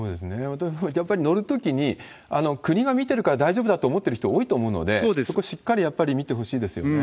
私もやっぱり乗るときに、国が見てるから大丈夫だと思ってる人多いと思うので、そこ、しっかりやっぱり見てほしいですよね。